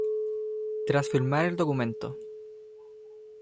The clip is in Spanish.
Tras firmar el documento.